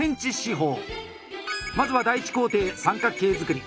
まずは第１工程三角形作り。